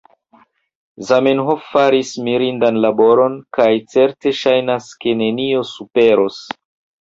Zamenhof faris mirindan laboron, kaj certe ŝajnas, ke nenio superos